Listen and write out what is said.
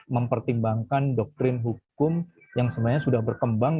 mempertimbangkan doktrin hukum yang sebenarnya sudah berkembang